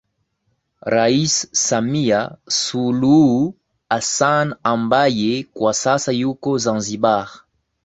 Rais Samia Suluhu Hassan ambaye kwa sasa yuko Zanzibar